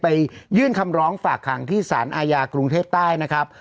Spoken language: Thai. ยื่นคำร้องฝากขังที่สารอาญากรุงเทพใต้นะครับ